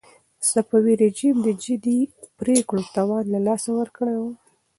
صفوي رژيم د جدي پرېکړو توان له لاسه ورکړی و.